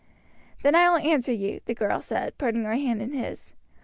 "Then I will answer you," the girl said, putting her hand in his.